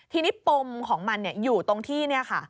ทีนี้ปมของมันอยู่ตรงที่นี่ค่ะ